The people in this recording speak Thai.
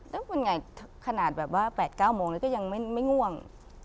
แล้วเป็นไงขนาดแบบว่า๘๙โมงแล้วก็ยังไม่ง่วง